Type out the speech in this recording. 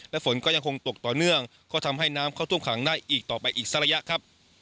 และฝนก็ยังคงตกต่อเนื่องก็ทำให้น้ำเข้าท่วมขังได้อีกต่อไปอีกสักระยะครับ